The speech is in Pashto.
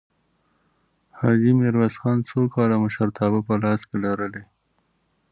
حاجي میرویس خان څو کاله مشرتابه په لاس کې لرلې؟